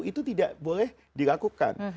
itu tidak boleh dilakukan